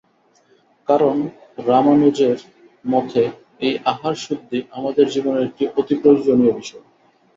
কারণ রামানুজের মতে এই আহারশুদ্ধি আমাদের জীবনের একটি অতি প্রয়োজনীয় বিষয়।